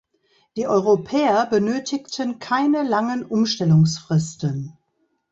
Die Europäer benötigten keine langen Umstellungsfristen.